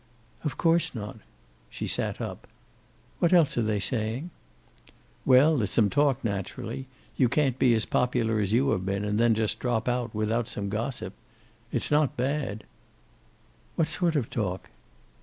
"Of course not." She sat up. "What else are they saying?" "Well, there's some talk, naturally. You can't be as popular as you have been, and then just drop out, without some gossip. It's not bad." "What sort of talk?"